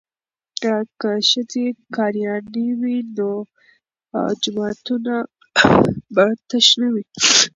که ښځې قاریانې وي نو جوماتونه به تش نه وي.